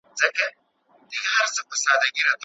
ادبیاتو پوهنځۍ په چټکۍ نه ارزول کیږي.